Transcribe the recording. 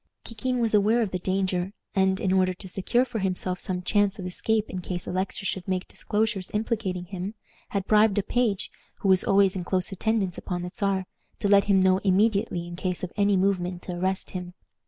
Kikin was aware of the danger, and, in order to secure for himself some chance of escape in case Alexis should make disclosures implicating him, had bribed a page, who was always in close attendance upon the Czar, to let him know immediately in case of any movement to arrest him.